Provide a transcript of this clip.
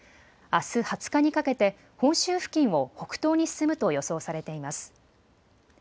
あす２０日にかけて本州付近を北東に進むと予想されています。